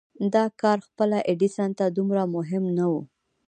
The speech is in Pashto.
دا کار خپله ايډېسن ته دومره مهم نه و.